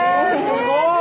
すごい！